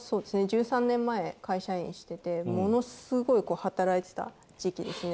１３年前会社員しててものすごい働いてた時期ですね。